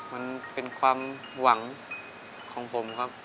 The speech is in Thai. มันเป็นความหวังของผมครับ